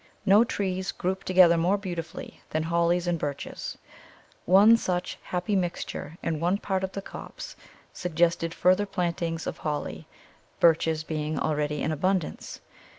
No trees group together more beautifully than Hollies and Birches. One such happy mixture in one part of the copse suggested further plantings of Holly, Birches being already in abundance.